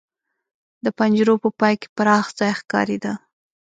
د پنجرو په پای کې پراخ ځای ښکارېده.